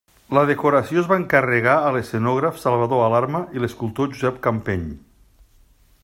La decoració es va encarregar a l'escenògraf Salvador Alarma i a l'escultor Josep Campeny.